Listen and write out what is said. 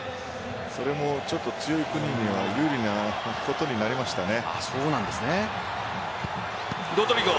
それも、ちょっと強い国が有利なことになりましたね。